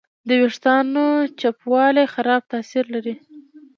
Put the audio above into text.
د وېښتیانو چپوالی خراب تاثیر لري.